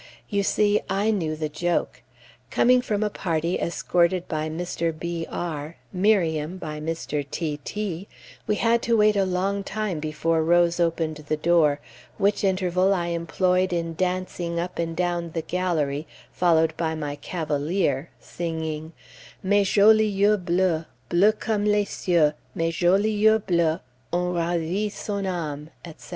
You see, I knew the joke. Coming from a party escorted by Mr. B r, Miriam by Mr. T t, we had to wait a long time before Rose opened the door, which interval I employed in dancing up and down the gallery followed by my cavalier singing, "Mes jolis yeux bleus, Bleus comme les cieux, Mes jolis yeux bleus Ont ravi son âme," etc.